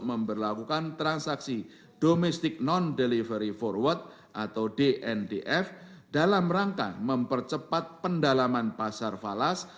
memperlakukan transaksi domestic non delivery forward atau dndf dalam rangka mempercepat pendalaman pasar falas